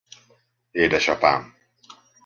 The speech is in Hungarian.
Édesapám!